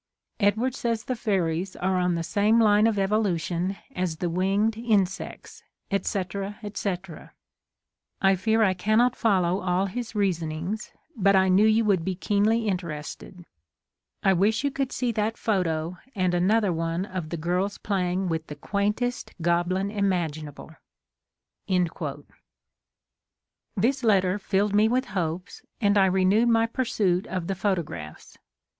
/ Edward says the fairies are on the same \ line of evolution as the winged insects, etc., etc. I fear I cannot follow all his reason ings, but I knew you would be keenly inter ested. I wish you could see that photo and 17 THE COMING OF THE FAIRIES another one of the girls playing with the quaintest goblin imaginable!" This letter filled me with hopes, and I re newed my pursuit of the photographs.